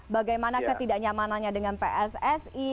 bagaimana ketidaknyamanannya dengan pssi